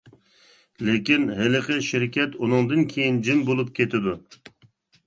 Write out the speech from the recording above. لېكىن ھېلىقى شىركەت ئۇنىڭدىن كېيىن جىم بولۇپ كېتىدۇ.